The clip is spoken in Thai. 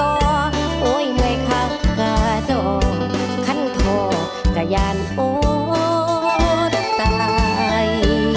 โอ้ยไม่พักกะโดขั้นทอกะยานโอ๊ดตาย